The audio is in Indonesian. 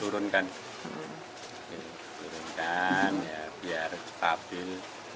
turunkan ya biar stabil